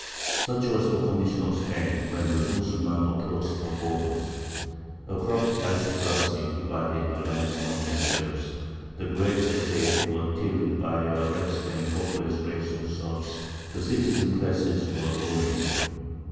Such was the condition of Spain when the Mussulman approached her borders. A corrupt aristocracy divided the land among themselves; the great estates were tilled by a wretched and hopeless race of serfs; the citizen classes were ruined.